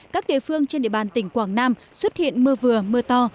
các địa phương trên địa bàn tỉnh quảng nam xuất hiện mưa vừa mưa to